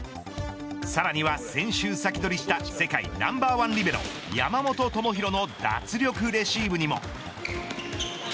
さらには、先週サキドリした世界ナンバーワンリベロ山本智大の脱力レシーブにも。